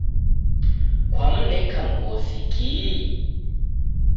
Kwamneka mghosi kihi?